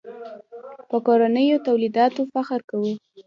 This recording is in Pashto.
په کورنیو تولیداتو فخر کوو.